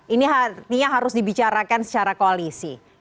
ini artinya harus dibicarakan secara koalisi